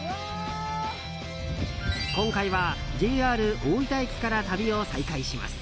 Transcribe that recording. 今回はＪＲ大分駅から旅を再開します。